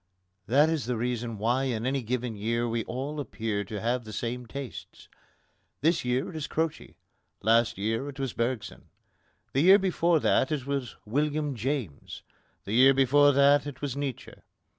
That is the reason why in any given year we all appear to have the same tastes. This year it is Croce; last year it was Bergson; the year before that it was William James; the year before that it was Nietzsche.